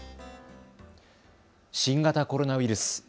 新型コロナウイルス。